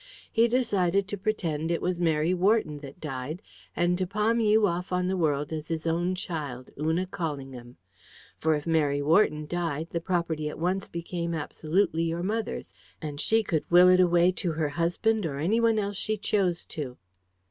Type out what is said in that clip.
He decided to pretend it was Mary Wharton that died, and to palm you off on the world as his own child, Una Callingham. For if Mary Wharton died, the property at once became absolutely your mother's, and she could will it away to her husband or anyone else she chose to."